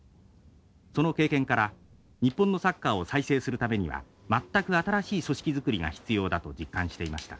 その経験から日本のサッカーを再生するためには全く新しい組織作りが必要だと実感していました。